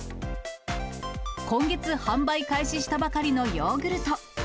今月販売開始したばかりのヨーグルト。